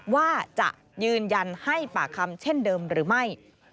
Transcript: ว่าจะยืนยันให้ปากคำเช่นเดิมหรือไม่